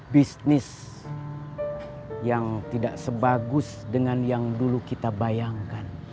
bisnis yang tidak sebagus dengan yang dulu kita bayangkan